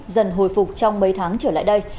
dần hồi phục trong mấy tháng trở lại đây